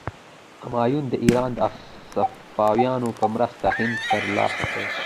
همایون د ایران د صفویانو په مرسته هند تر لاسه کړ.